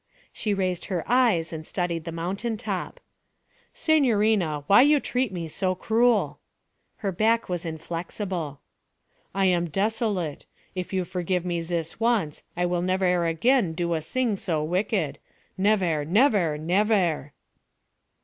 She raised her eyes and studied the mountain top. 'Signorina, why you treat me so cruel?' Her back was inflexible. 'I am desolate. If you forgive me zis once I will nevair again do a sing so wicked. Nevair, nevair, nevair.'